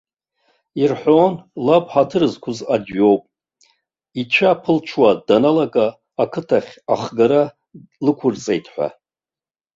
Ирҳәон лаб ҳаҭыр зқәыз аӡә иоуп, ицәа ԥылҽуа даналага ақыҭахь ахгара лықәырҵеит ҳәа.